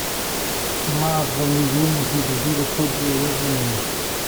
Lave legumes e verduras todas as manhãs